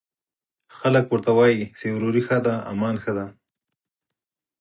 خلک ورته وايي، چې وروري ښه ده، امان ښه دی